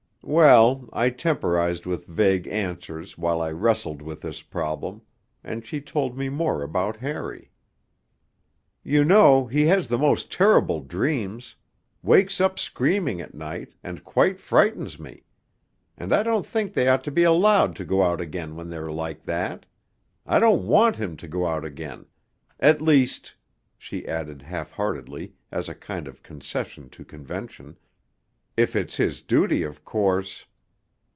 Well, I temporized with vague answers while I wrestled with this problem, and she told me more about Harry. 'You know, he has the most terrible dreams ... wakes up screaming at night, and quite frightens me. And I don't think they ought to be allowed to go out again when they're like that.... I don't want him to go out again.... At least,' she added half heartedly (as a kind of concession to convention), 'if it's his duty, of course....'